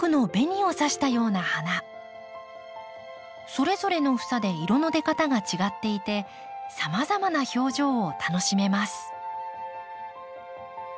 それぞれの房で色の出方が違っていてさまざまな表情を楽しめます。